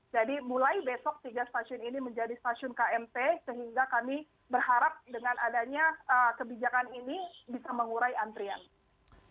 jadi mulai besok tiga stasiun ini menjadi stasiun kmp sehingga kami berharap dengan adanya kebijakan ini bisa mengurai antrian